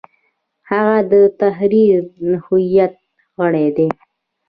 هغه د تحریریه هیئت غړی دی.